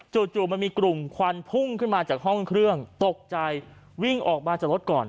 จู่มันมีกลุ่มควันพุ่งขึ้นมาจากห้องเครื่องตกใจวิ่งออกมาจากรถก่อน